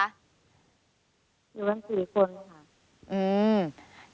อยู่กัน๔คนค่ะ